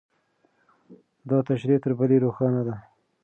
دا تشریح تر بلې روښانه ده.